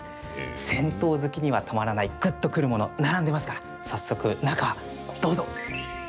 銭湯好きにはたまらないぐっとくるもの並んでますから早速、中どうぞ。